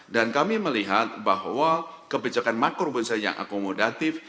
dan kami melihat bahwa kebijakan makro budisial yang akomodatif